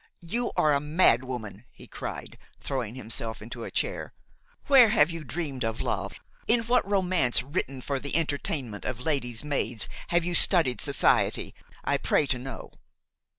"You are a mad woman!" he cried, throwing himself into a chair. "Where have you dreamed of love? in what romance written for the entertainment of lady's maids, have you studied society, I pray to know?"